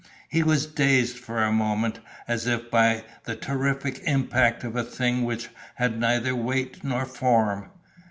He was dazed for a moment as if by the terrific impact of a thing which had neither weight nor form.